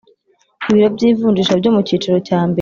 Ibiro by ivunjisha byo mu cyicyiro cya mbere